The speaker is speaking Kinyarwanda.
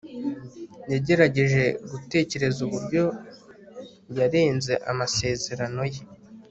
Yagerageje gutekereza uburyo yarenze amasezerano ye